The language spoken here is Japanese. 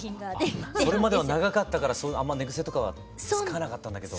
それまでは長かったから寝ぐせとかはつかなかったんだけど。